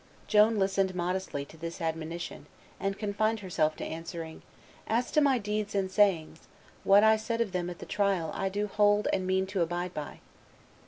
Joan listened modestly to this admonition, and confined herself to answering, "As to my deeds and sayings, what I said of them at the trial I do hold to and mean to abide by."